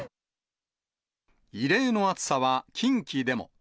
異例の暑さは近畿でも。